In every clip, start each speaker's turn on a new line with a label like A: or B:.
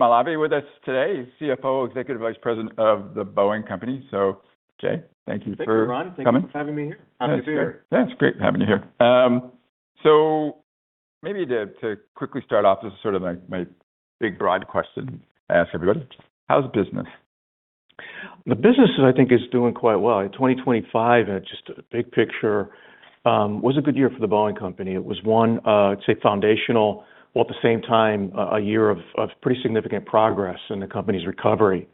A: Jay Malave with us today, CFO, Executive Vice President of The Boeing Company. Jay, thank you for coming.
B: Thank you, Ron. Thank you for having me here. Happy to be here.
A: Yeah, it's great having you here. Maybe to quickly start off, this is sort of my big broad question I ask everybody, how's business?
B: The business I think is doing quite well. In 2025, at just a big picture, was a good year for The Boeing Company. It was one, I'd say foundational, while at the same time a year of pretty significant progress in the company's recovery.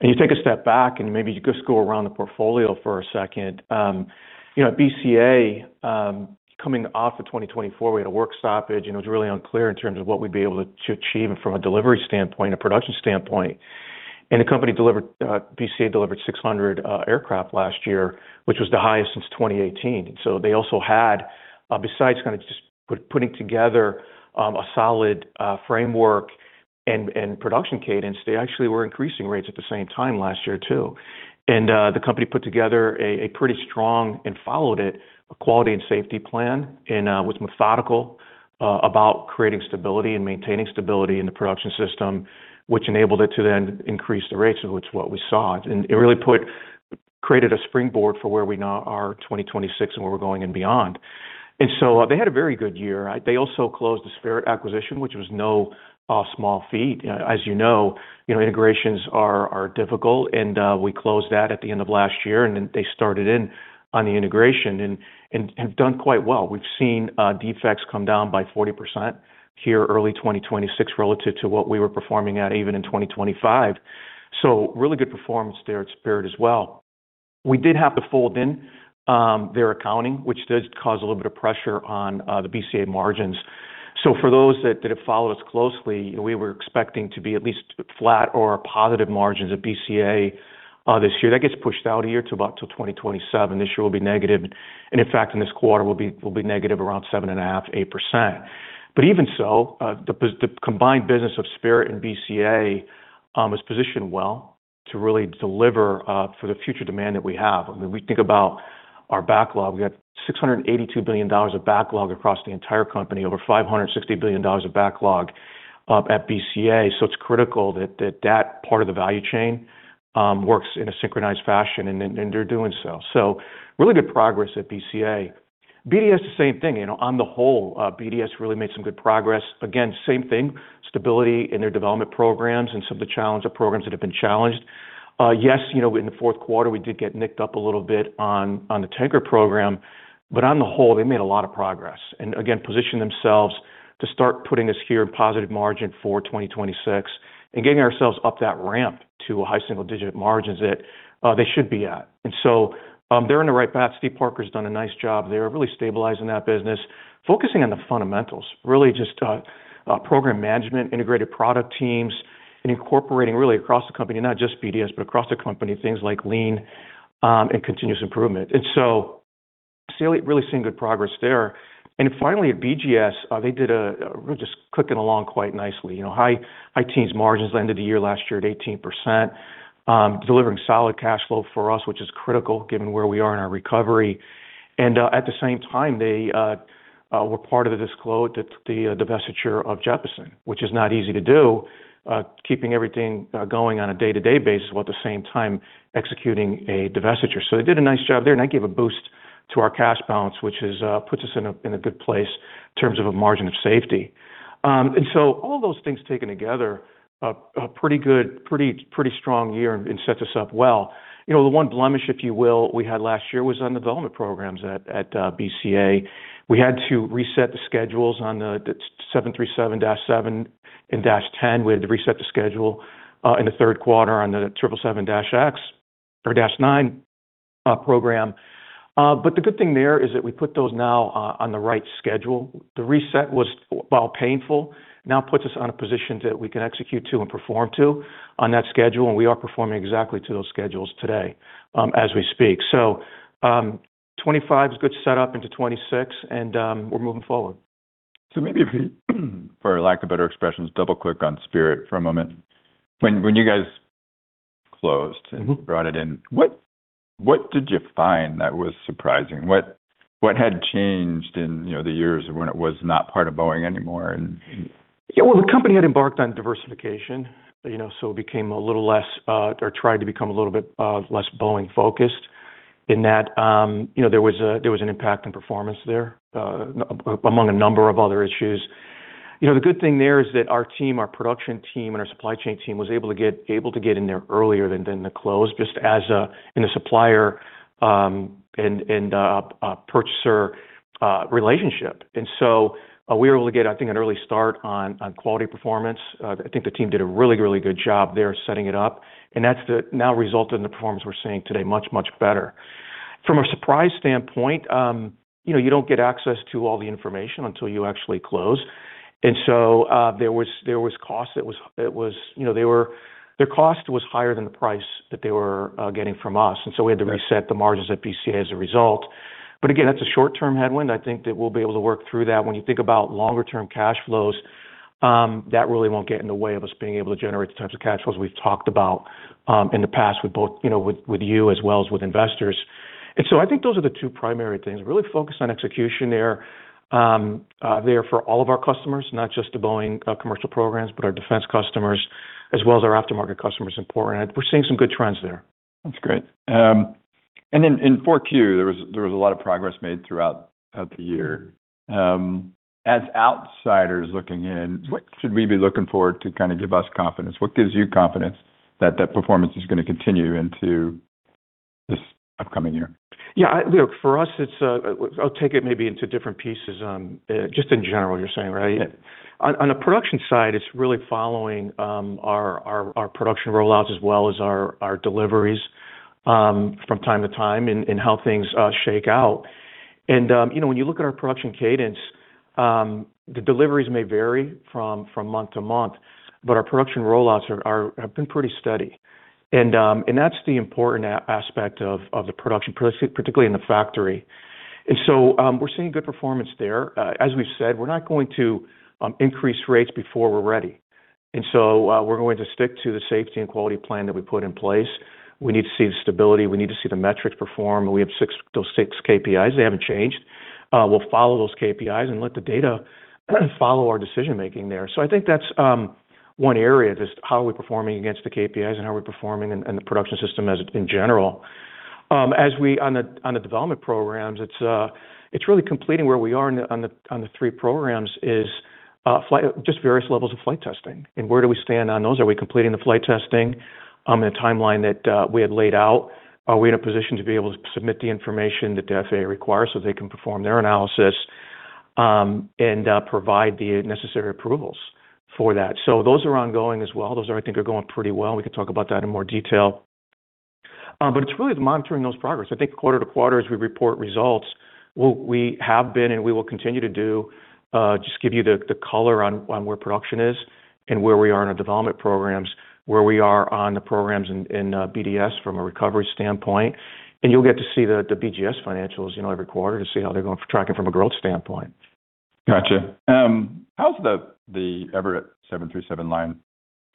B: You take a step back, and maybe just go around the portfolio for a second. You know, BCA, coming off of 2024, we had a work stoppage, and it was really unclear in terms of what we'd be able to achieve from a delivery standpoint, a production standpoint. The company delivered, BCA delivered 600 aircraft last year, which was the highest since 2018. They also had, besides kind of just putting together, a solid framework and production cadence, they actually were increasing rates at the same time last year too. The company put together a pretty strong and followed it, a quality and safety plan, and was methodical about creating stability and maintaining stability in the production system, which enabled it to then increase the rates of which what we saw. It really created a springboard for where we now are in 2026 and where we're going and beyond. They had a very good year. They also closed the Spirit acquisition, which was no small feat. As you know, you know, integrations are difficult, and we closed that at the end of last year, and they started in on the integration and have done quite well. We've seen defects come down by 40% here early 2026 relative to what we were performing at even in 2025. Really good performance there at Spirit as well. We did have to fold in their accounting, which does cause a little bit of pressure on the BCA margins. For those that have followed us closely, we were expecting to be at least flat or positive margins at BCA this year. That gets pushed out a year to about till 2027. This year will be negative, and in fact, in this quarter, we'll be negative around 7.5%-8%. Even so, the combined business of Spirit and BCA is positioned well to really deliver for the future demand that we have. When we think about our backlog, we have $682 billion of backlog across the entire company, over $560 billion of backlog at BCA, so it's critical that that part of the value chain works in a synchronized fashion, and they're doing so. Really good progress at BCA. BDS, the same thing. You know, on the whole, BDS really made some good progress. Again, same thing, stability in their development programs and some of the challenge of programs that have been challenged. You know, in the fourth quarter, we did get nicked up a little bit on the tanker program, but on the whole, they made a lot of progress. Again, positioned themselves to start putting us here positive margin for 2026 and getting ourselves up that ramp to a high single-digit margins that they should be at. They're in the right path. Stephen Parker's done a nice job. They're really stabilizing that business, focusing on the fundamentals, really just program management, Integrated Product Teams, and incorporating really across the company, not just BDS, but across the company, things like Lean and continuous improvement. Really seeing good progress there. Finally, at BGS, they were just clicking along quite nicely. You know, high teens margins. Ended the year last year at 18%, delivering solid cash flow for us, which is critical given where we are in our recovery. At the same time, they were part of the disclosure that the divestiture of Jeppesen, which is not easy to do, keeping everything going on a day-to-day basis while at the same time executing a divestiture. They did a nice job there, and that gave a boost to our cash balance, which puts us in a good place in terms of a margin of safety. All those things taken together are pretty good, pretty strong year and sets us up well. You know, the one blemish, if you will, we had last year was on development programs at BCA. We had to reset the schedules on the 737-7 and 737-10. We had to reset the schedule in the third quarter on the 777X or 777-9 program. The good thing there is that we put those now on the right schedule. The reset was, while painful, now puts us in a position that we can execute to and perform to on that schedule, and we are performing exactly to those schedules today, as we speak. 2025's a good set up into 2026, and we're moving forward.
A: Maybe if we for lack of better expressions, double-click on Spirit for a moment. When you guys closed.
B: Mm-hmm.
A: brought it in, what did you find that was surprising? What had changed in, you know, the years when it was not part of Boeing anymore?
B: Yeah, well, the company had embarked on diversification, you know, so it became a little less, or tried to become a little bit, less Boeing-focused in that, you know, there was an impact on performance there, among a number of other issues. You know, the good thing there is that our team, our production team, and our supply chain team was able to get in there earlier than the close, just as a supplier and purchaser relationship. We were able to get, I think, an early start on quality performance. I think the team did a really good job there setting it up, and that's now resulted in the performance we're seeing today much better. From a surprise standpoint, you know, you don't get access to all the information until you actually close. There was cost that was, you know, their cost was higher than the price that they were getting from us. We had to reset the margins at BCA as a result. Again, that's a short-term headwind. I think that we'll be able to work through that. When you think about longer-term cash flows, that really won't get in the way of us being able to generate the types of cash flows we've talked about in the past with both, you know, with you as well as with investors. I think those are the two primary things. Really focus on execution there for all of our customers, not just the Boeing commercial programs, but our defense customers, as well as our aftermarket customers in Portland. We're seeing some good trends there.
A: That's great. In 4Q, there was a lot of progress made throughout the year. As outsiders looking in, what should we be looking for to kind of give us confidence? What gives you confidence that the performance is gonna continue into this upcoming year?
B: Yeah, you know, for us, it's. I'll take it maybe into different pieces, just in general, you're saying, right? On a production side, it's really following our production rollouts as well as our deliveries from time to time and how things shake out. You know, when you look at our production cadence, the deliveries may vary from month to month, but our production rollouts have been pretty steady. That's the important aspect of the production, particularly in the factory. We're seeing good performance there. As we've said, we're not going to increase rates before we're ready. We're going to stick to the safety and quality plan that we put in place. We need to see the stability. We need to see the metrics perform. We have six KPIs. They haven't changed. We'll follow those KPIs and let the data follow our decision-making there. I think that's one area, just how are we performing against the KPIs and how are we performing in the production system in general. On the development programs, it's really completing where we are on the three programs is just various levels of flight testing, and where do we stand on those. Are we completing the flight testing in a timeline that we had laid out? Are we in a position to be able to submit the information that the FAA requires so they can perform their analysis and provide the necessary approvals for that? Those are ongoing as well. Those I think are going pretty well. We could talk about that in more detail. It's really about monitoring those progress. I think quarter to quarter as we report results, we have been and we will continue to do just give you the color on where production is and where we are in our development programs, where we are on the programs in BDS from a recovery standpoint. You'll get to see the BGS financials, you know, every quarter to see how they're tracking from a growth standpoint.
A: Gotcha. How's the Everett 737 line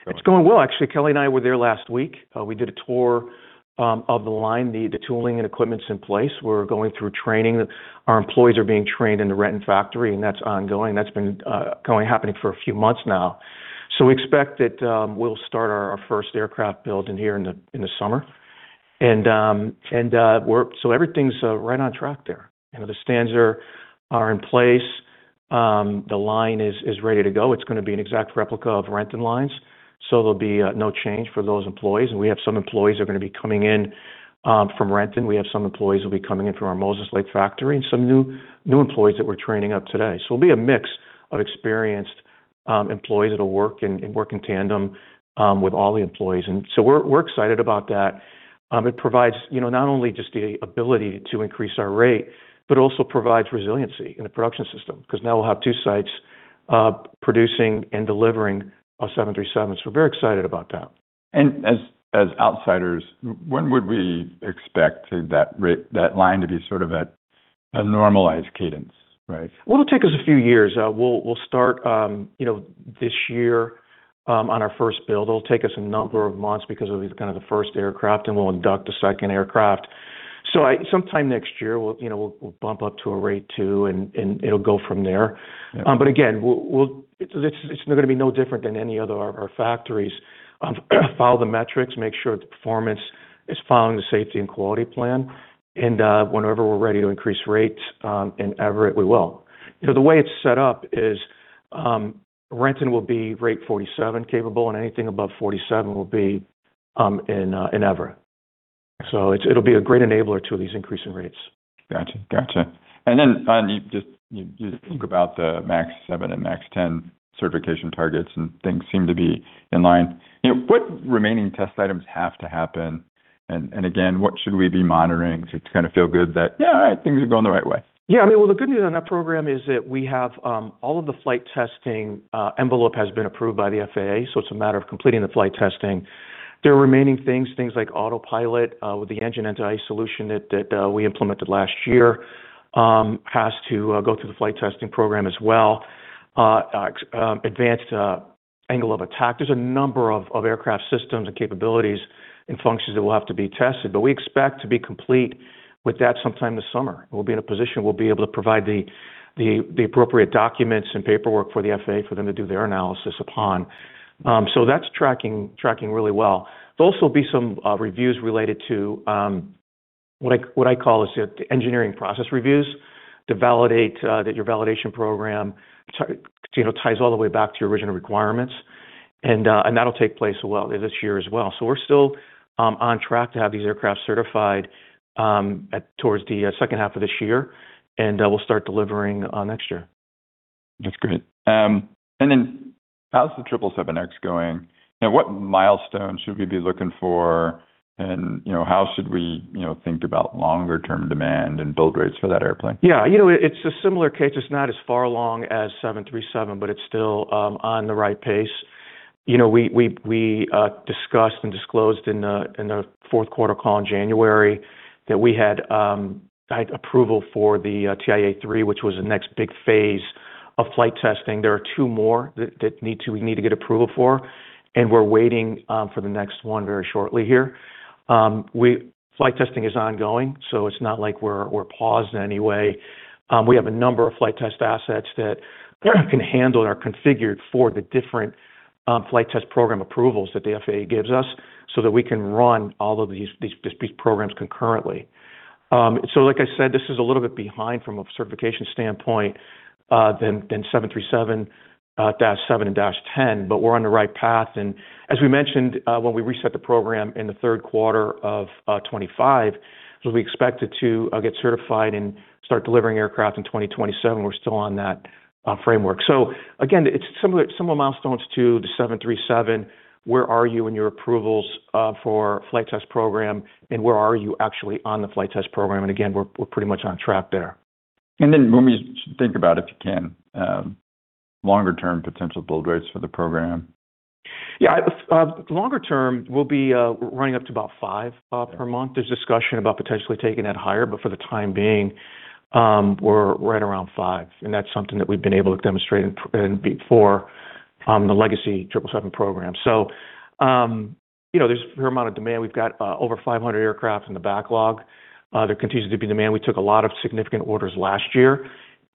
A: going?
B: It's going well, actually. Kelly and I were there last week. We did a tour of the line. The tooling and equipment's in place. We're going through training. Our employees are being trained in the Renton factory, and that's ongoing. That's been happening for a few months now. We expect that we'll start our first aircraft build here in the summer. Everything's right on track there. You know, the stands are in place. The line is ready to go. It's gonna be an exact replica of Renton lines, so there'll be no change for those employees. We have some employees are gonna be coming in from Renton. We have some employees will be coming in from our Moses Lake factory and some new employees that we're training up today. It'll be a mix of experienced employees that'll work in tandem with all the employees. We're excited about that. It provides, you know, not only just the ability to increase our rate, but also provides resiliency in the production system because now we'll have two sites producing and delivering our 737. We're very excited about that.
A: As outsiders, when would we expect that line to be sort of at a normalized cadence, right?
B: Well, it'll take us a few years. We'll start you know this year on our first build. It'll take us a number of months because of these kind of the first aircraft, and we'll induct a second aircraft. Sometime next year, we'll, you know, bump up to a rate two, and it'll go from there.
A: Yeah.
B: Again, it's gonna be no different than any other of our factories. Follow the metrics, make sure the performance is following the safety and quality plan. Whenever we're ready to increase rates in Everett, we will. You know, the way it's set up is, Renton will be rate 47 capable, and anything above 47 will be in Everett. It'll be a great enabler to these increasing rates.
A: Gotcha. You just think about the MAX 7 and MAX 10 certification targets and things seem to be in line. You know, what remaining test items have to happen? Again, what should we be monitoring to kind of feel good that, yeah, things are going the right way?
B: Yeah. I mean, well, the good news on that program is that we have all of the flight testing envelope has been approved by the FAA, so it's a matter of completing the flight testing. There are remaining things like autopilot with the engine anti-ice solution that we implemented last year has to go through the flight testing program as well. Advanced angle of attack. There's a number of aircraft systems and capabilities and functions that will have to be tested, but we expect to be complete with that sometime this summer. We'll be in a position to provide the appropriate documents and paperwork for the FAA for them to do their analysis upon. So that's tracking really well. There'll also be some reviews related to what I call is the engineering process reviews to validate that your validation program so you know ties all the way back to your original requirements. That'll take place well this year as well. We're still on track to have these aircraft certified towards the second half of this year, and we'll start delivering next year.
A: That's great. How's the 777X going? Now, what milestones should we be looking for? You know, how should we, you know, think about longer-term demand and build rates for that airplane?
B: Yeah. You know, it's a similar case. It's not as far along as 737, but it's still on the right pace. You know, we discussed and disclosed in the fourth quarter call in January that we had approval for the TIA 3, which was the next big phase of flight testing. There are two more that we need to get approval for, and we're waiting for the next one very shortly here. Flight testing is ongoing, so it's not like we're paused in any way. We have a number of flight test assets that can handle and are configured for the different flight test program approvals that the FAA gives us, so that we can run all of these programs concurrently. Like I said, this is a little bit behind from a certification standpoint than 737-7 and 737-10, but we're on the right path. As we mentioned, when we reset the program in the third quarter of 2025, we expected to get certified and start delivering aircraft in 2027. We're still on that framework. Again, it's similar milestones to the 737. Where are you in your approvals for flight test program, and where are you actually on the flight test program? Again, we're pretty much on track there.
A: When we think about it, if you can, longer term potential build rates for the program.
B: Yeah. Longer term, we'll be running up to about five per month. There's discussion about potentially taking that higher, but for the time being, we're right around 5, and that's something that we've been able to demonstrate in before the legacy 777 program. You know, there's a fair amount of demand. We've got over 500 aircraft in the backlog. There continues to be demand. We took a lot of significant orders last year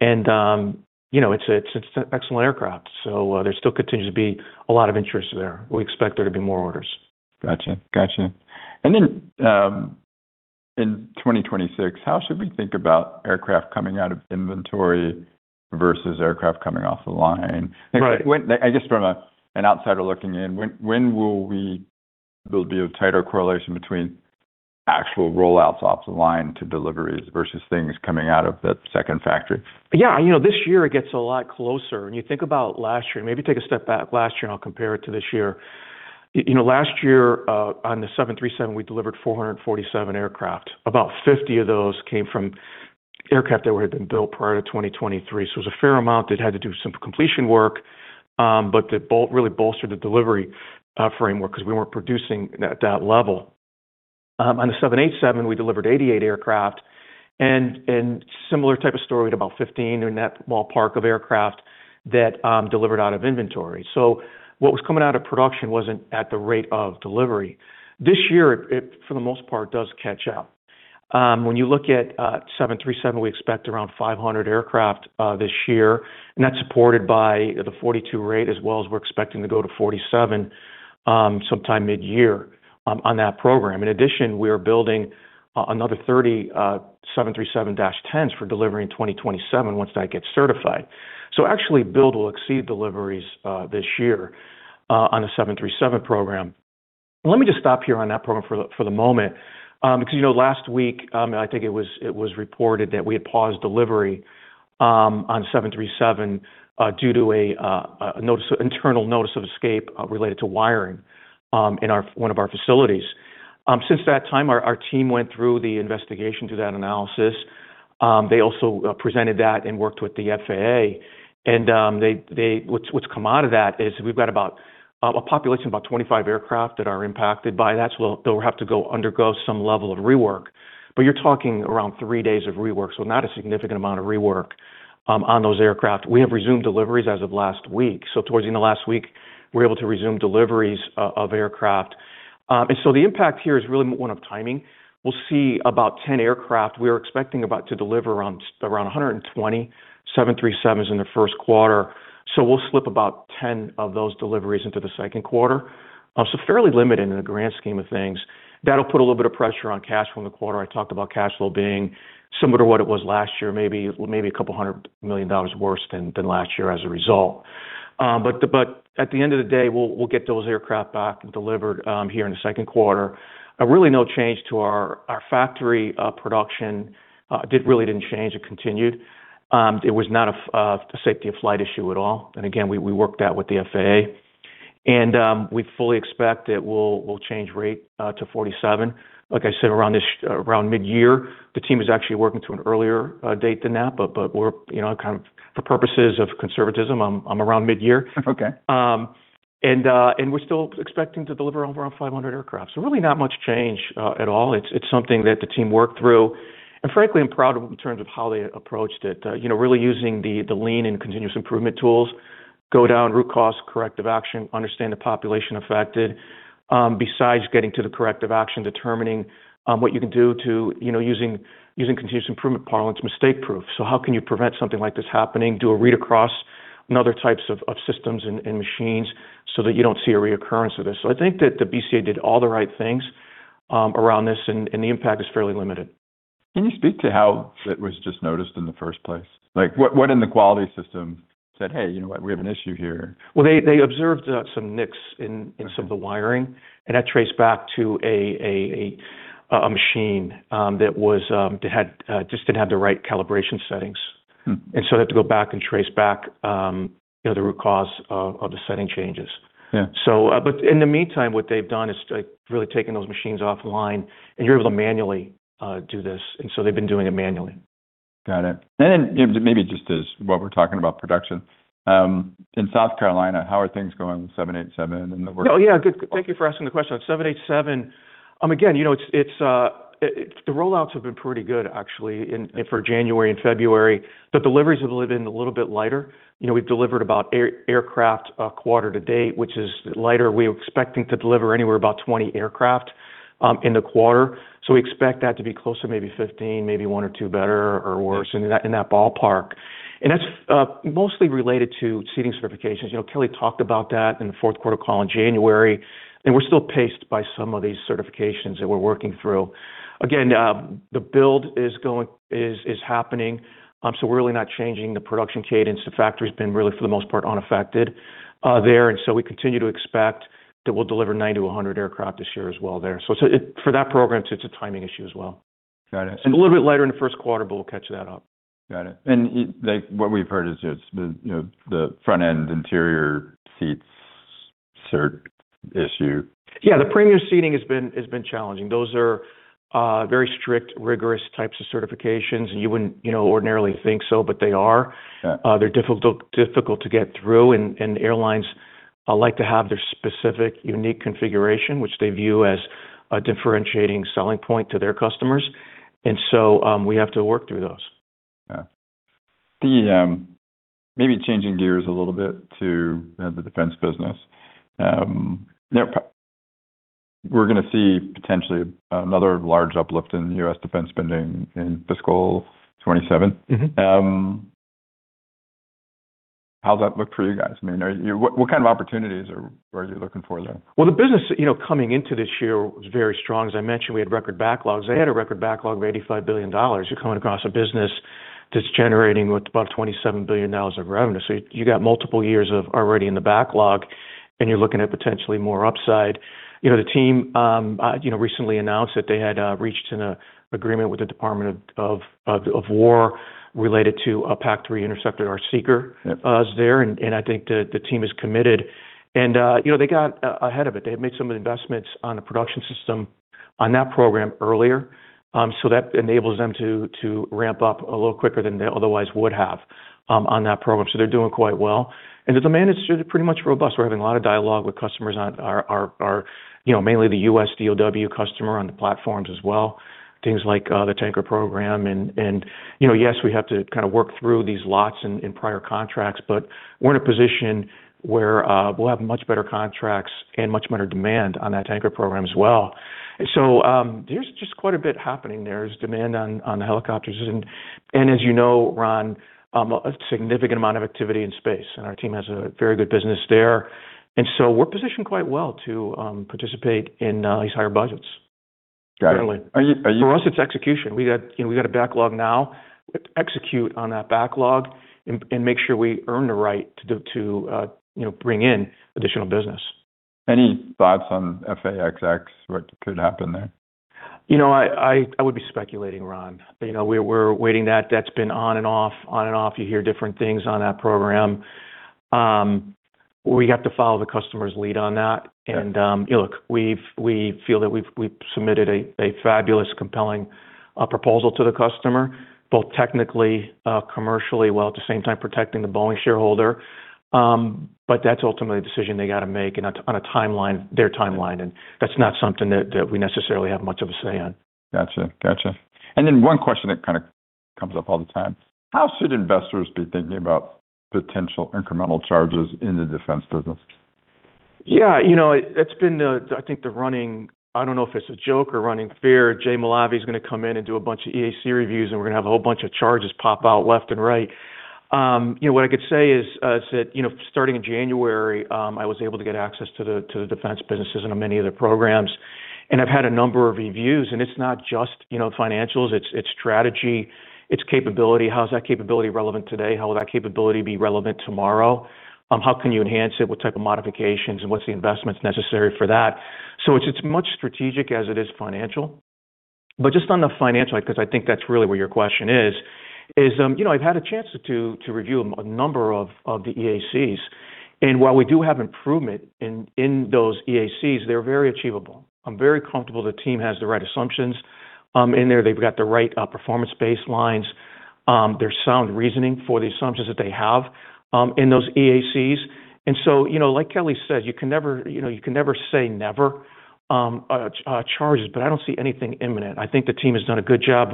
B: and, you know, it's an excellent aircraft, so there still continues to be a lot of interest there. We expect there to be more orders.
A: Gotcha. Then, in 2026, how should we think about aircraft coming out of inventory versus aircraft coming off the line?
B: Right.
A: I guess from an outsider looking in, when will we see a tighter correlation between actual roll outs off the line to deliveries versus things coming out of that second factory?
B: Yeah. You know, this year it gets a lot closer. When you think about last year, maybe take a step back last year and I'll compare it to this year. You know, last year, on the 737, we delivered 447 aircraft. About 50 of those came from aircraft that had been built prior to 2023. It was a fair amount that had to do some completion work. But that really bolstered the delivery framework 'cause we weren't producing at that level. On the 787, we delivered 88 aircraft and similar type of story to about 15 in that ballpark of aircraft that delivered out of inventory. What was coming out of production wasn't at the rate of delivery. This year it for the most part does catch up. When you look at 737, we expect around 500 aircraft this year, and that's supported by the 42 rate as well as we're expecting to go to 47 sometime mid-year on that program. In addition, we are building another 30 737-10s for delivery in 2027 once that gets certified. Actually build will exceed deliveries this year on the 737 program. Let me just stop here on that program for the moment. Because you know last week I think it was reported that we had paused delivery on 737 due to an internal notice of escape related to wiring in one of our facilities. Since that time, our team went through the investigation to that analysis. They also presented that and worked with the FAA. What's come out of that is we've got about a population of about 25 aircraft that are impacted by that. They'll have to go undergo some level of rework, but you're talking around three days of rework, so not a significant amount of rework on those aircraft. We have resumed deliveries as of last week, so towards the end of last week we were able to resume deliveries of aircraft. The impact here is really one of timing. We'll see about 10 aircraft. We are expecting to deliver around 127 737s in the first quarter. We'll slip about 10 of those deliveries into the second quarter. Fairly limited in the grand scheme of things. That'll put a little bit of pressure on cash from the quarter. I talked about cash flow being similar to what it was last year, maybe $200 million worse than last year as a result. At the end of the day, we'll get those aircraft back and delivered here in the second quarter. Really no change to our factory production. It didn't really change, it continued. It was not a safety of flight issue at all. We worked that with the FAA. We fully expect it will change rate to 47, like I said, around mid-year. The team is actually working to an earlier date than that, but we're, you know, kind of for purposes of conservatism, I'm around mid-year.
A: Okay.
B: We're still expecting to deliver over around 500 aircraft. Really not much change at all. It's something that the team worked through, and frankly, I'm proud of in terms of how they approached it. You know, really using the Lean and continuous improvement tools, go down root cause, corrective action, understand the population affected, besides getting to the corrective action, determining what you can do to, you know, using continuous improvement parlance, mistake proof. How can you prevent something like this happening? Do a read across in other types of systems and machines so that you don't see a reoccurrence of this. I think that the BCA did all the right things around this and the impact is fairly limited.
A: Can you speak to how it was just noticed in the first place? Like what in the quality system said, "Hey, you know what? We have an issue here.
B: Well, they observed some nicks in some of the wiring, and that traced back to a machine that just didn't have the right calibration settings.
A: Mm-hmm.
B: They have to go back and trace back, you know, the root cause of the setting changes.
A: Yeah.
B: In the meantime, what they've done is like really taken those machines off the line and you're able to manually do this. They've been doing it manually.
A: Got it. You know, maybe just ask what we're talking about production in South Carolina, how are things going with 787 and the work.
B: Oh, yeah. Good. Thank you for asking the question. 787, again, you know, it's the rollouts have been pretty good actually in January and February. The deliveries have been a little bit lighter. You know, we've delivered about eight aircraft quarter to date, which is lighter. We're expecting to deliver anywhere about 20 aircraft in the quarter. So we expect that to be closer to maybe 15, maybe one or two better or worse in that ballpark. That's mostly related to seating certifications. You know, Kelly talked about that in the fourth quarter call in January, and we're still paced by some of these certifications that we're working through. Again, the build is happening, so we're really not changing the production cadence. The factory's been really, for the most part, unaffected there. We continue to expect that we'll deliver 90-100 aircraft this year as well there. For that program, it's a timing issue as well.
A: Got it.
B: A little bit lighter in the first quarter, but we'll catch that up.
A: Got it. Like what we've heard is just the, you know, the front-end interior seats cert issue.
B: Yeah, the premium seating has been challenging. Those are very strict, rigorous types of certifications. You wouldn't, you know, ordinarily think so, but they are.
A: Yeah.
B: They're difficult to get through, and the airlines like to have their specific unique configuration, which they view as a differentiating selling point to their customers. We have to work through those.
A: Yeah. Maybe changing gears a little bit to the defense business. We're gonna see potentially another large uplift in U.S. defense spending in fiscal 2027.
B: Mm-hmm.
A: How's that look for you guys? I mean, what kind of opportunities are you looking for there?
B: Well, the business, you know, coming into this year was very strong. As I mentioned, we had record backlogs. They had a record backlog of $85 billion. You're coming across a business that's generating with about $27 billion of revenue. You got multiple years of already in the backlog, and you're looking at potentially more upside. You know, the team, you know, recently announced that they had reached an agreement with the Department of Defense related to a PAC-3 interceptor or seeker.
A: Yep.
B: I think the team is committed. You know, they got ahead of it. They had made some investments on the production system on that program earlier, so that enables them to ramp up a little quicker than they otherwise would have on that program. They're doing quite well. The demand is just pretty much robust. We're having a lot of dialogue with customers on our, you know, mainly the US DoD customer on the platforms as well, things like the tanker program. You know, yes, we have to kind of work through these lots in prior contracts, but we're in a position where we'll have much better contracts and much better demand on that tanker program as well. There's just quite a bit happening there. There's demand on the helicopters and as you know, Ron, a significant amount of activity in space, and our team has a very good business there. We're positioned quite well to participate in these higher budgets.
A: Got it.
B: Currently.
A: Are you?
B: For us, it's execution. We got, you know, a backlog now. We have to execute on that backlog and make sure we earn the right to, you know, bring in additional business.
A: Any thoughts on F/A-XX, what could happen there?
B: You know, I would be speculating, Ron. You know, we're waiting. That's been on and off, on and off. You hear different things on that program. We have to follow the customer's lead on that.
A: Yeah.
B: Look, we feel that we've submitted a fabulous, compelling proposal to the customer, both technically, commercially, while at the same time protecting the Boeing shareholder. But that's ultimately the decision they got to make and on a timeline, their timeline, and that's not something that we necessarily have much of a say on.
A: Gotcha. One question that kind of comes up all the time: How should investors be thinking about potential incremental charges in the defense business?
B: Yeah. You know, it's been the running, I don't know if it's a joke or running fear. Jay Malave is gonna come in and do a bunch of EAC reviews, and we're gonna have a whole bunch of charges pop out left and right. You know, what I could say is that, you know, starting in January, I was able to get access to the defense businesses and on many of their programs. I've had a number of reviews, and it's not just, you know, financials. It's strategy, it's capability. How's that capability relevant today? How will that capability be relevant tomorrow? How can you enhance it? What type of modifications, and what's the investments necessary for that? It's as much strategic as it is financial. Just on the financial, 'cause I think that's really where your question is, you know, I've had a chance to review a number of the EACs. While we do have improvement in those EACs, they're very achievable. I'm very comfortable the team has the right assumptions in there. They've got the right performance baselines. There's sound reasoning for the assumptions that they have in those EACs. You know, like Kelly said, you can never, you know, you can never say never on charges, but I don't see anything imminent. I think the team has done a good job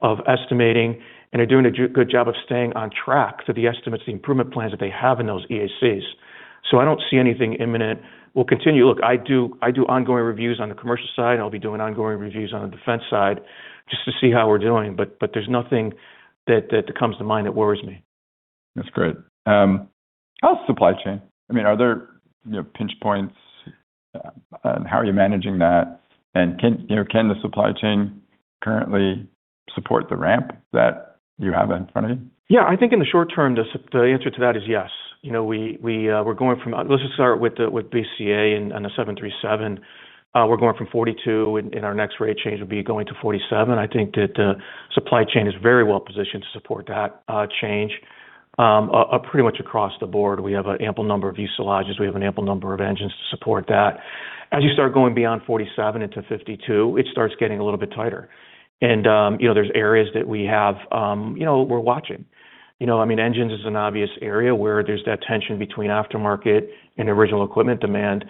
B: of estimating, and they're doing a good job of staying on track to the estimates, the improvement plans that they have in those EACs. I don't see anything imminent. We'll continue. Look, I do ongoing reviews on the commercial side, and I'll be doing ongoing reviews on the defense side just to see how we're doing. There's nothing that comes to mind that worries me.
A: That's great. How's the supply chain? I mean, are there, you know, pinch points? How are you managing that? Can, you know, the supply chain currently support the ramp that you have in front of you?
B: Yeah. I think in the short term, the answer to that is yes. You know, let's just start with BCA and the 737. We're going from 42, and our next rate change will be going to 47. I think that the supply chain is very well positioned to support that change. Pretty much across the board, we have an ample number of fuselages, we have an ample number of engines to support that. As you start going beyond 47 into 52, it starts getting a little bit tighter. You know, there are areas that we have, you know, we're watching. You know, I mean, engines is an obvious area where there's that tension between aftermarket and original equipment demand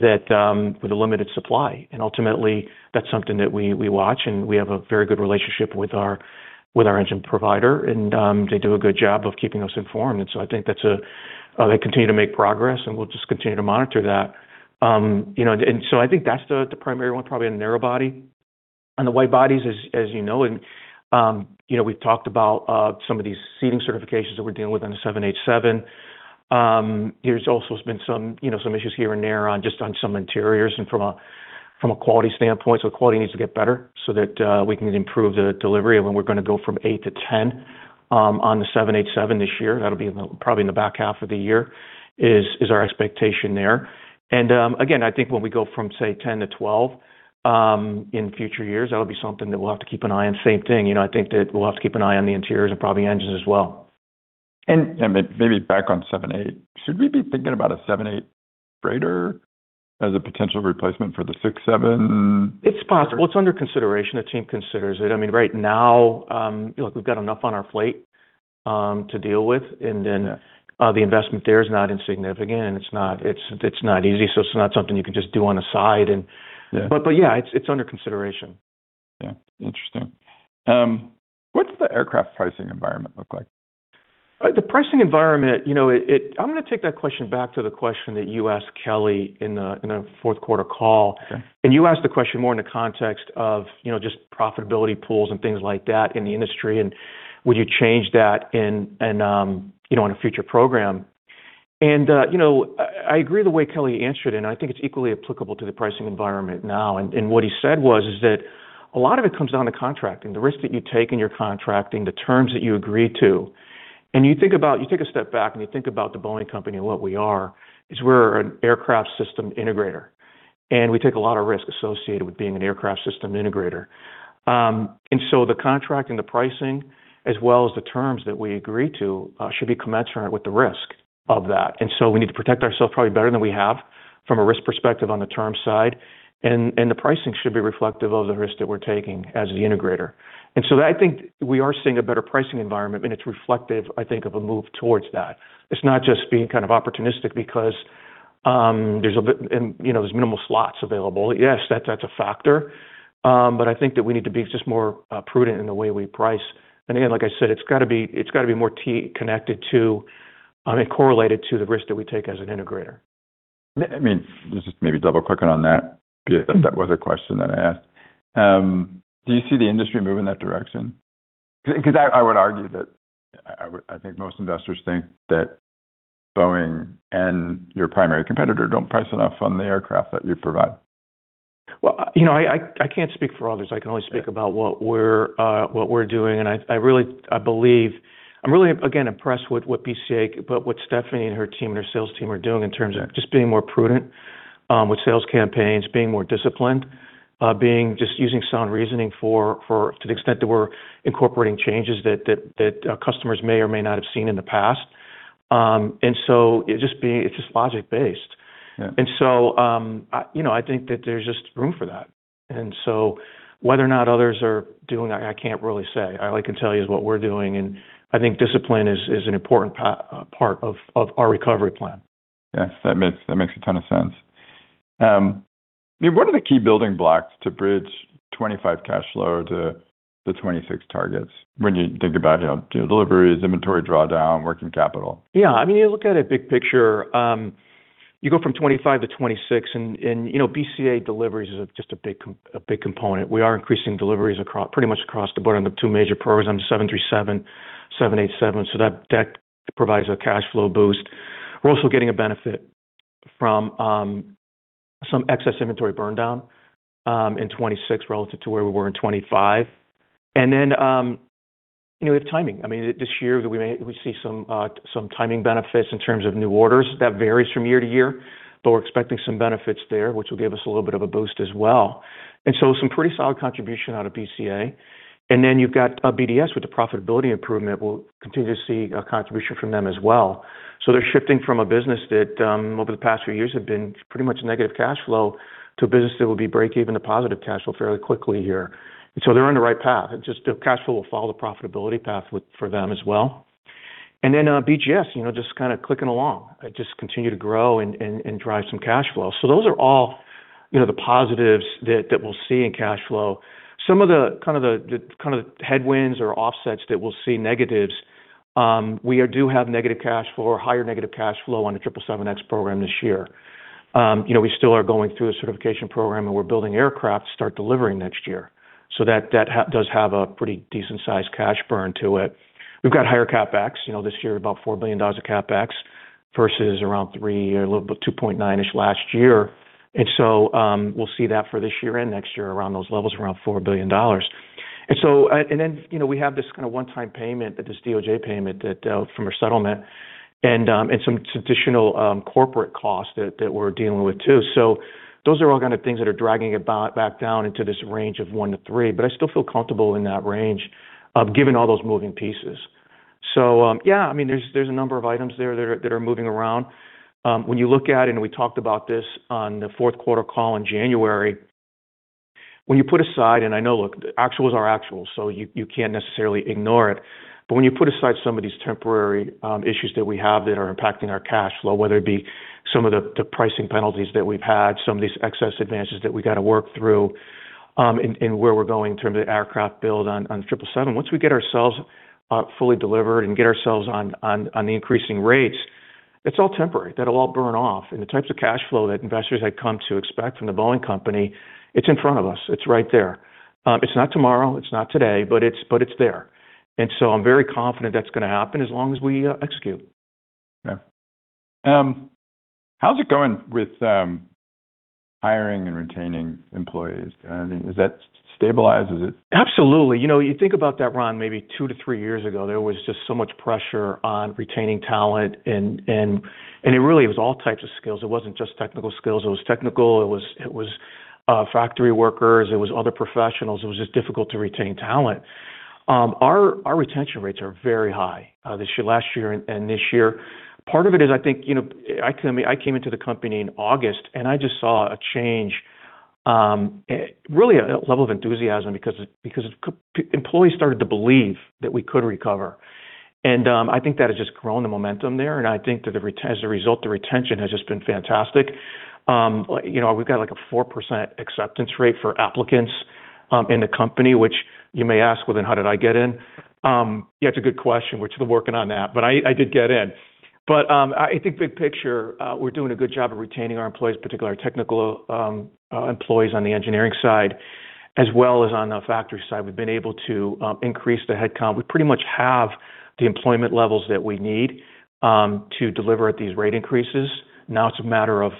B: that with a limited supply. Ultimately, that's something that we watch, and we have a very good relationship with our engine provider, and they do a good job of keeping us informed. I think they continue to make progress, and we'll just continue to monitor that. I think that's the primary one, probably in the narrow body. On the wide bodies, we've talked about some of these seating certifications that we're dealing with on the 787. There has also been some issues here and there on just some interiors and from a quality standpoint. Quality needs to get better so that we can improve the delivery. When we're gonna go from eight to 10 on the 787 this year, that'll be probably in the back half of the year is our expectation there. Again, I think when we go from, say, 10 to 12 in future years, that'll be something that we'll have to keep an eye on. Same thing, you know, I think that we'll have to keep an eye on the interiors and probably engines as well.
A: Maybe back on 787, should we be thinking about a 787 freighter as a potential replacement for the 767?
B: It's possible. It's under consideration. The team considers it. I mean, right now, look, we've got enough on our fleet, to deal with, and then, the investment there is not insignificant, and it's not easy, so it's not something you can just do on the side.
A: Yeah.
B: Yeah, it's under consideration.
A: Yeah. Interesting. What's the aircraft pricing environment look like?
B: The pricing environment, you know, it. I'm gonna take that question back to the question that you asked Kelly in the fourth quarter call.
A: Okay.
B: You asked the question more in the context of, you know, just profitability pools and things like that in the industry, and would you change that in, you know, in a future program. I agree the way Kelly answered, and I think it's equally applicable to the pricing environment now. What he said was that a lot of it comes down to contracting, the risk that you take in your contracting, the terms that you agree to. You take a step back, and you think about the Boeing Company and what we are, we're an aircraft system integrator, and we take a lot of risk associated with being an aircraft system integrator. The contracting, the pricing, as well as the terms that we agree to, should be commensurate with the risk of that. We need to protect ourselves probably better than we have from a risk perspective on the term side. The pricing should be reflective of the risk that we're taking as the integrator. I think we are seeing a better pricing environment, and it's reflective, I think, of a move towards that. It's not just being kind of opportunistic because, you know, there's minimal slots available. Yes, that's a factor. I think that we need to be just more prudent in the way we price. Again, like I said, it's gotta be more connected to and correlated to the risk that we take as an integrator.
A: I mean, just maybe double-clicking on that. That was a question that I asked. Do you see the industry moving in that direction? 'Cause I would argue that I think most investors think that Boeing and your primary competitor don't price enough on the aircraft that you provide.
B: Well, you know, I can't speak for others. I can only speak about what we're doing. I really believe I'm really again impressed with what BCA, but what Steve and his team and his sales team are doing in terms of just being more prudent with sales campaigns, being more disciplined, being just using sound reasoning to the extent that we're incorporating changes that customers may or may not have seen in the past. It's just logic-based.
A: Yeah.
B: I, you know, I think that there's just room for that. Whether or not others are doing that, I can't really say. All I can tell you is what we're doing, and I think discipline is an important part of our recovery plan.
A: Yes. That makes a ton of sense. I mean, what are the key building blocks to bridge 2025 cash flow to the 2026 targets when you think about, you know, do deliveries, inventory drawdown, working capital?
B: Yeah. I mean, you look at it big picture, you go from 2025 to 2026 and, you know, BCA deliveries is just a big component. We are increasing deliveries pretty much across the board on the two major programs, 737, 787. That deck provides a cash flow boost. We're also getting a benefit from some excess inventory burndown in 2026 relative to where we were in 2025. You know, with timing, I mean, this year we see some timing benefits in terms of new orders. That varies from year-to-year, but we're expecting some benefits there, which will give us a little bit of a boost as well. Some pretty solid contribution out of BCA. You've got BDS with the profitability improvement. We'll continue to see a contribution from them as well. They're shifting from a business that over the past few years have been pretty much negative cash flow to a business that will be breakeven to positive cash flow fairly quickly here. They're on the right path. Just the cash flow will follow the profitability path for them as well. BGS, you know, just kinda clicking along. Just continue to grow and drive some cash flow. Those are all, you know, the positives that we'll see in cash flow. Some of the kind of headwinds or offsets that we'll see negatives. We do have negative cash flow or higher negative cash flow on the 777X program this year. You know, we still are going through a certification program, and we're building aircraft to start delivering next year. That does have a pretty decent sized cash burn to it. We've got higher CapEx, you know, this year about $4 billion of CapEx versus around three or a little bit, 2.9-ish last year. We'll see that for this year and next year around those levels, around $4 billion. You know, we have this kinda one-time payment, this DOJ payment from our settlement and some traditional corporate costs that we're dealing with too. Those are all kinda things that are dragging it back down into this range of one to three, but I still feel comfortable in that range given all those moving pieces. I mean, there's a number of items there that are moving around. When you look at, we talked about this on the fourth quarter call in January. When you put aside, I know look, actuals are actual, so you can't necessarily ignore it. But when you put aside some of these temporary issues that we have that are impacting our cash flow, whether it be some of the pricing penalties that we've had, some of these excess inventories that we gotta work through, and where we're going in terms of aircraft build on 777. Once we get ourselves fully delivered and get ourselves on the increasing rates, it's all temporary. That'll all burn off. The types of cash flow that investors had come to expect from the Boeing Company, it's in front of us. It's right there. It's not tomorrow, it's not today, but it's there. I'm very confident that's gonna happen as long as we execute.
A: Yeah. How's it going with hiring and retaining employees? I mean, is that stabilized? Is it?
B: Absolutely. You know, you think about that, Ron, maybe two to three years ago, there was just so much pressure on retaining talent and it really was all types of skills. It wasn't just technical skills. It was technical, factory workers, other professionals. It was just difficult to retain talent. Our retention rates are very high, last year and this year. Part of it is I think, you know, I came into the company in August, and I just saw a change, really a level of enthusiasm because employees started to believe that we could recover. I think that has just grown the momentum there, and I think that as a result, the retention has just been fantastic. You know, we've got like a 4% acceptance rate for applicants in the company, which you may ask, "Well, then how did I get in?" Yeah, it's a good question. We're still working on that, but I did get in. I think big picture, we're doing a good job of retaining our employees, particularly our technical employees on the engineering side as well as on the factory side. We've been able to increase the head count. We pretty much have the employment levels that we need to deliver at these rate increases. Now it's a matter of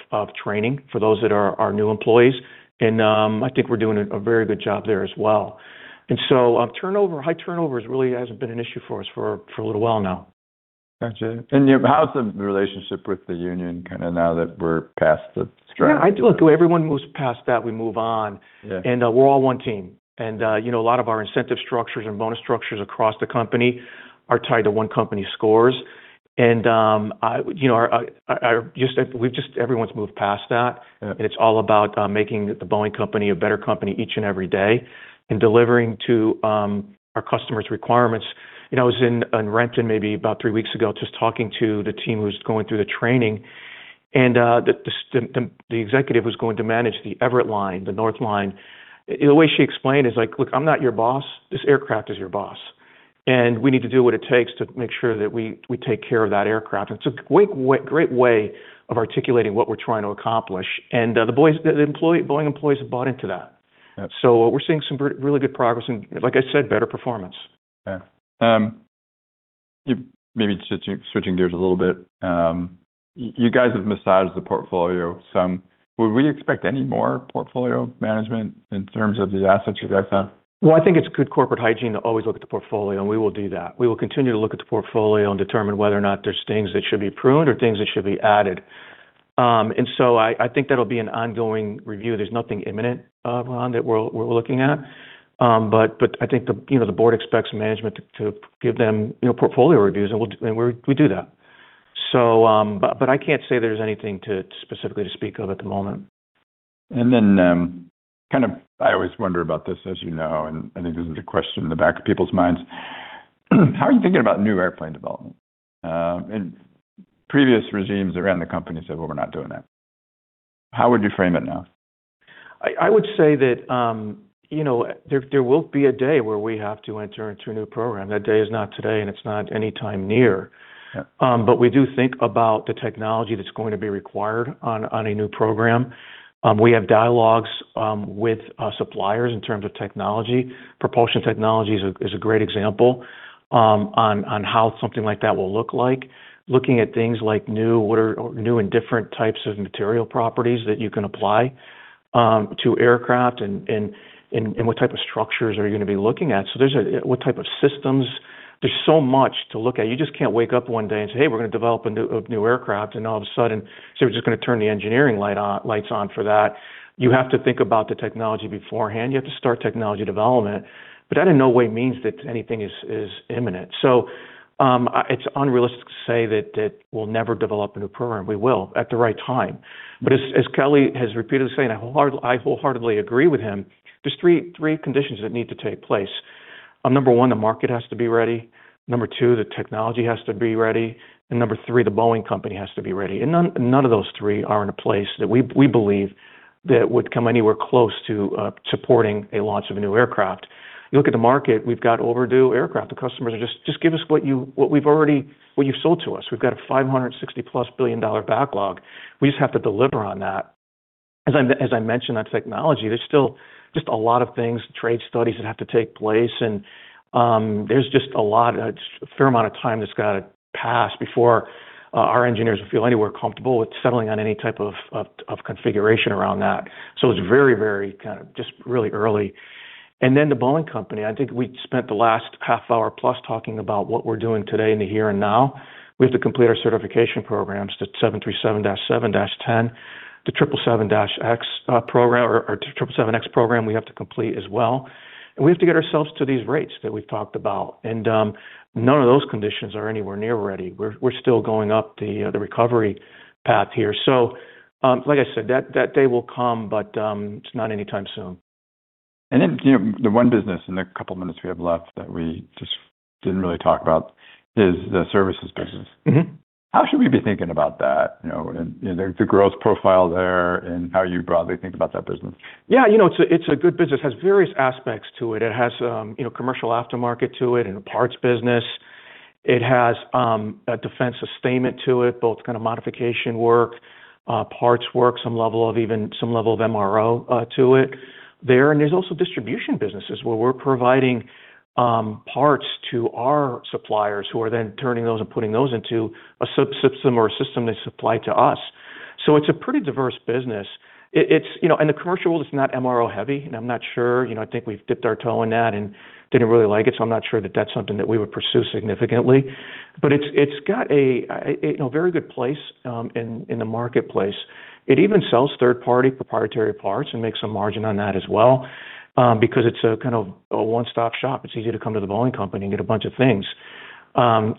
B: training for those that are our new employees, and I think we're doing a very good job there as well. High turnover really hasn't been an issue for us for a little while now.
A: Gotcha. How's the relationship with the union kinda now that we're past the strike?
B: Yeah, I'd look, everyone moves past that, we move on.
A: Yeah.
B: We're all one team. You know, a lot of our incentive structures and bonus structures across the company are tied to one company scores. You know, everyone's moved past that.
A: Yeah.
B: It's all about making the Boeing Company a better company each and every day, and delivering to our customers' requirements. You know, I was in Renton maybe about three weeks ago, just talking to the team who was going through the training, and the executive who's going to manage the Everett line, the north line, the way she explained is like, "Look, I'm not your boss. This aircraft is your boss, and we need to do what it takes to make sure that we take care of that aircraft." It's a great way of articulating what we're trying to accomplish. Boeing employees have bought into that.
A: Yeah.
B: We're seeing some really good progress and, like I said, better performance.
A: Yeah. Maybe switching gears a little bit. You guys have massaged the portfolio some. Would we expect any more portfolio management in terms of the assets you guys have?
B: Well, I think it's good corporate hygiene to always look at the portfolio, and we will do that. We will continue to look at the portfolio and determine whether or not there's things that should be pruned or things that should be added. I think that'll be an ongoing review. There's nothing imminent, Ron, that we're looking at. I think the, you know, the board expects management to give them, you know, portfolio reviews, and we do that. I can't say there's anything specifically to speak of at the moment.
A: Kind of, I always wonder about this, as you know, and I think this is the question in the back of people's minds. How are you thinking about new airplane development? In previous regimes around the company said, "Well, we're not doing that." How would you frame it now?
B: I would say that, you know, there will be a day where we have to enter into a new program. That day is not today, and it's not anytime near.
A: Yeah.
B: We do think about the technology that's going to be required on a new program. We have dialogues with suppliers in terms of technology. Propulsion technologies is a great example on how something like that will look like. Looking at things like newer or new and different types of material properties that you can apply to aircraft and what type of structures are you gonna be looking at. What type of systems. There's so much to look at. You just can't wake up one day and say, "Hey, we're gonna develop a new aircraft," and all of a sudden say, "We're just gonna turn the engineering lights on for that." You have to think about the technology beforehand. You have to start technology development. That in no way means that anything is imminent. It’s unrealistic to say that we'll never develop a new program. We will at the right time. As Kelly has repeatedly been saying, I wholeheartedly agree with him, there's three conditions that need to take place. Number one, the market has to be ready. Number two, the technology has to be ready. Number three, The Boeing Company has to be ready. None of those three are in a place that we believe that would come anywhere close to supporting a launch of a new aircraft. You look at the market, we've got overdue aircraft. The customers are just, "Just give us what you've sold to us." We've got a $560 billion+ backlog. We just have to deliver on that. As I mentioned on technology, there's still just a lot of things, trade studies that have to take place, and there's just a lot, a fair amount of time that's gotta pass before our engineers feel anywhere comfortable with settling on any type of configuration around that. So it's very kind of just really early. Then The Boeing Company, I think we spent the last half hour plus talking about what we're doing today in the here and now. We have to complete our certification programs, the 737-7-10. The 777X program we have to complete as well. We have to get ourselves to these rates that we've talked about. None of those conditions are anywhere near ready. We're still going up the recovery path here. Like I said, that day will come, but it's not anytime soon.
A: You know, the one business in the couple minutes we have left that we just didn't really talk about is the services business.
B: Mm-hmm.
A: How should we be thinking about that, you know, and, you know, the growth profile there and how you broadly think about that business?
B: Yeah. You know, it's a good business, has various aspects to it. It has, you know, commercial aftermarket to it and a parts business. It has a defense sustainment to it, both kind of modification work, parts work, some level of MRO to it there. There's also distribution businesses where we're providing parts to our suppliers who are then turning those and putting those into a sub-system or a system they supply to us. It's a pretty diverse business. You know, the commercial world is not MRO heavy, and I'm not sure. You know, I think we've dipped our toe in that and didn't really like it, so I'm not sure that that's something that we would pursue significantly. It's got a very good place in the marketplace. It even sells third-party proprietary parts and makes some margin on that as well, because it's a kind of a one-stop shop. It's easy to come to the Boeing Company and get a bunch of things to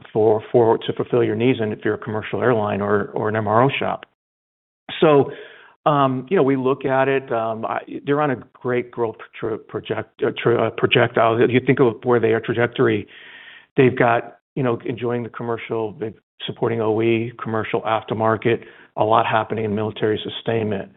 B: fulfill your needs and if you're a commercial airline or an MRO shop. You know, we look at it, they're on a great growth trajectory. If you think of where their trajectory, they've got, you know, enjoying the commercial, they're supporting OE, commercial aftermarket, a lot happening in military sustainment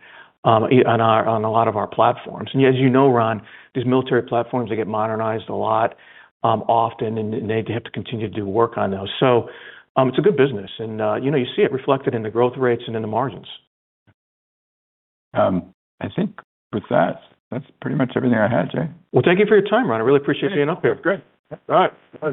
B: on a lot of our platforms. As you know, Ron, these military platforms, they get modernized a lot, often, and they have to continue to do work on those. It's a good business and, you know, you see it reflected in the growth rates and in the margins.
A: I think with that's pretty much everything I had, Jay.
B: Well, thank you for your time, Ron. I really appreciate you being up here.
A: Great.
B: All right. Pleasure.